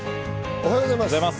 おはようございます。